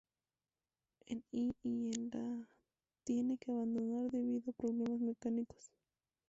En y en la tiene que abandonar debido a problemas mecánicos.